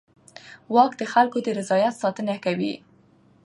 واک د خلکو د رضایت ساتنه کوي.